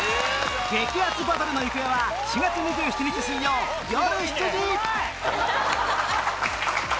激アツバトルの行方は４月２７日水曜よる７時